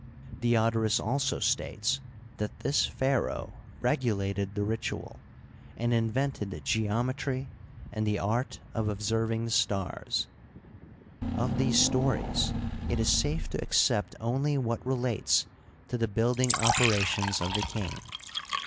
Diodorus also states that this Pharaoh regulated the ritual, and invented geometry and the art of observing the stars. Of these stories it is safe to accept only what relates to the building operations of the king.